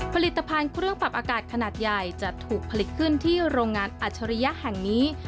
ผลิตภัณฑ์เครื่องปรับอากาศขนาดใหญ่จะถูกผลิตขึ้นที่โรงงานอัจฉริยะแห่งนี้